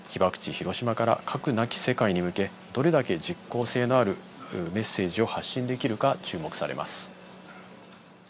広島から、核なき世界に向け、どれだけ実効性のあるメッセージを発信できるか注目されます。